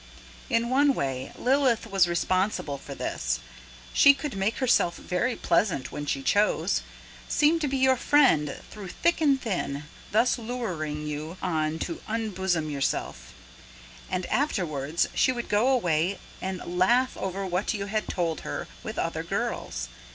In one way Lilith was responsible for this: she could make herself very pleasant when she chose, seem to be your friend through thick and thin, thus luring you on to unbosom yourself; and afterwards she would go away and laugh over what you had told her, with other girls.